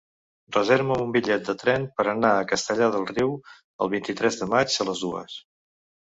Reserva'm un bitllet de tren per anar a Castellar del Riu el vint-i-tres de maig a les dues.